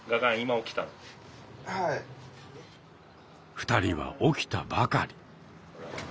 ２人は起きたばかり。